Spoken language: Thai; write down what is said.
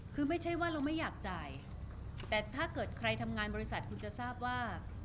คือไม่ใช่ว่าเราไม่อยากจ่ายแต่ถ้าเกิดใครทำงานบริษัทคุณจะทราบว่า